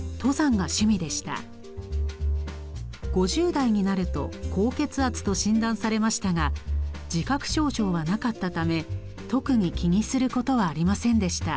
５０代になると高血圧と診断されましたが自覚症状はなかったため特に気にすることはありませんでした。